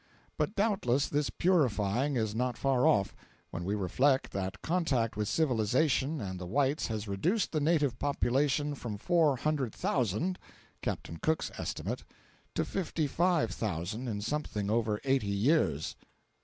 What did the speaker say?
—But doubtless this purifying is not far off, when we reflect that contact with civilization and the whites has reduced the native population from four hundred thousand (Captain Cook's estimate,) to fifty five thousand in something over eighty years!